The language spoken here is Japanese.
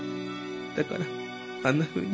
だからあんなふうに。